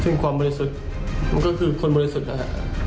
คือความบริสุทธิ์มันก็คือคนบริสุทธิ์นะฮะ